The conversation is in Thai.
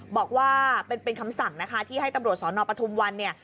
บอกว่าเป็นคำสั่งนะคะที่ให้ตำรวจสนปทุมวันเนี่ย